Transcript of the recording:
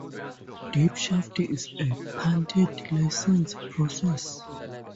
DeepShaft is a patented, licensed, process.